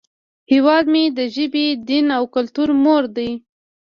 هیواد مې د ژبې، دین، او کلتور مور دی